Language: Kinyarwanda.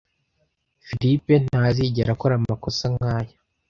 Philip ntazigera akora amakosa nkaya.